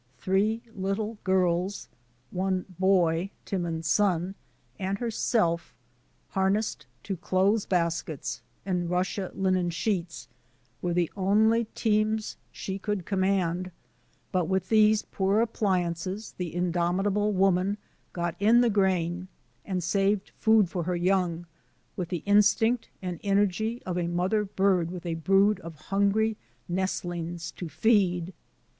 Three little girls, one ' boy (Timon's son), and herself, harnessed to clothes baskets and Russia linen sheets, were the only teams she could command; but with these poor appliances the indomitable woman got in the grain and saved food for her young, with the instinct and energy of a mother bird with a brood of hungry nestlings to feed.